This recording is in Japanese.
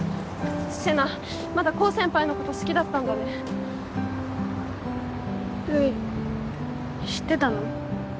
世奈まだコウ先輩のこと好きだったんだね留依知ってたの？